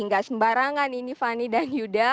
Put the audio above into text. nggak sembarangan ini fani dan yuda